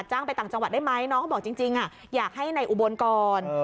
ไปต่างจังหวัดได้ไหมน้องเขาบอกจริงอยากให้ในอุบลก่อน